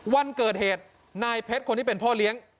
วันเกิดเหตุนายเพชรคนที่เป็นพ่อเลี้ยง